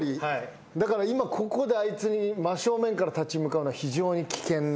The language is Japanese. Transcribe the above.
だから今ここであいつに真正面から立ち向かうのは非常に危険な気が。